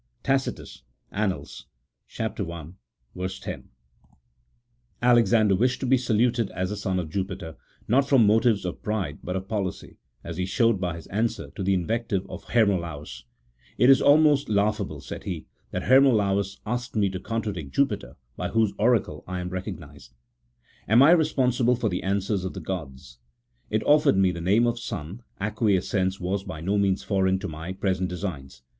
(Tacitus, Ann. i. 10.) 218 A THE0L0GIC0 P0LITICAL TREATISE. [CHAP. XVII. Alexander wished to be saluted as the son of Jupiter, not from motives of pride but of policy, as he showed by his answer to the invective of Hermolaus :" It is almost laughable," said he, " that Hermolaus asked me to contra dict Jupiter, by whose oracle I am recognized. Am I re sponsible for the answers of the gods ? It offered me the name of son ; acquiescence was by no means foreign to my present designs.